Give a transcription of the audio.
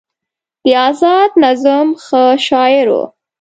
د ازاد نظم ښه شاعر و